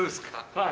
はい。